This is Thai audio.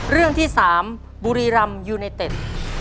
เรื่องที่๓บุรีรำยูไนเต็ด